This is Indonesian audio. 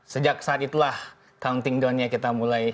sejak saat itulah counting down nya kita mulai